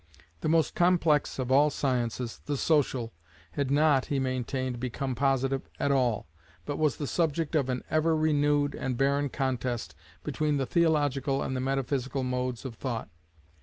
The most complex of all sciences, the Social, had not, he maintained, become positive at all, but was the subject of an ever renewed and barren contest between the theological and the metaphysical modes of thought.